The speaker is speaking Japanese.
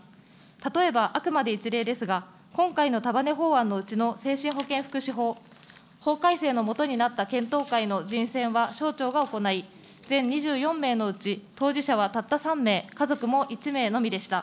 例えばあくまで一例ですが、今回の束ね法案のうちの精神保健福祉法、法改正のもとになった検討会の人選は、省庁が行い、全２４名のうち、当事者はたった３名、家族も１名のみでした。